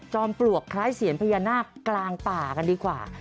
ปลวกคล้ายเสียญพญานาคกลางป่ากันดีกว่า